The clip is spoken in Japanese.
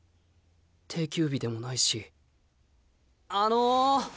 定休日でもないしあの。